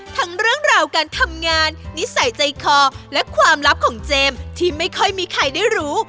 ทั้งเรื่องราวการทำงานนิสัยใจคอและความลับของเจมส์ที่ไม่ค่อยมีใครได้รู้